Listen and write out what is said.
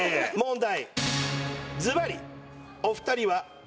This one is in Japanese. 問題。